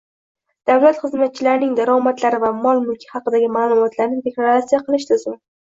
Davlat xizmatchilarining daromadlari va mol-mulki haqidagi ma’lumotlarni deklaratsiya qilish tizimi